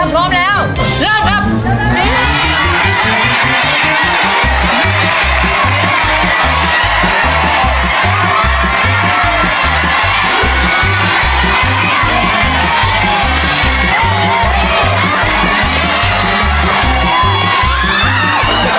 พร้อมแล้ว